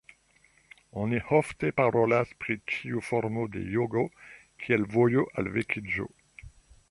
Oni ofte parolas pri ĉiu formo de jogo kiel "vojo" al vekiĝo.